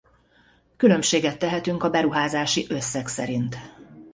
Különbséget tehetünk a beruházási összeg szerint.